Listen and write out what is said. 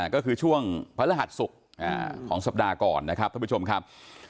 ก็คือช่วงพระรหัสศุกร์ของสัปดาห์ก่อนนะครับท่านผู้ชมครับ